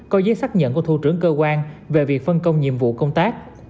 có giấy xác nhận của thủ trưởng cơ quan về việc phân công nhiệm vụ công tác